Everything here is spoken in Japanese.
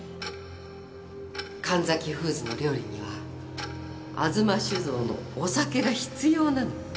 神崎フーズの料理には吾妻酒造のお酒が必要なの。